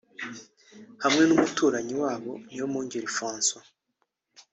hamwe n’umuturanyi wabo Niyomwungeri Francois